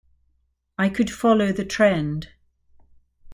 I could follow the trend.